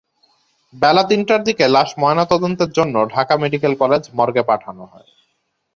বেলা তিনটার দিকে লাশ ময়নাতদন্তের জন্য ঢাকা মেডিকেল কলেজ মর্গে পাঠানো হয়।